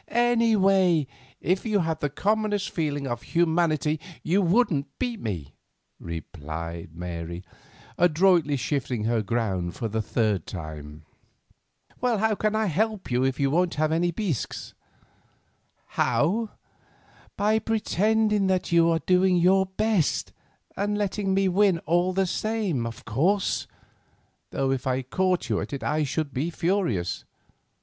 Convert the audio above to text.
"Anyway, if you had the commonest feelings of humanity you wouldn't beat me," replied Mary, adroitly shifting her ground for the third time. "How can I help it if you won't have the bisques?" "How? By pretending that you were doing your best, and letting me win all the same, of course; though if I caught you at it I should be furious.